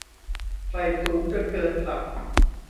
ใฝ่สูงจนเกินศักดิ์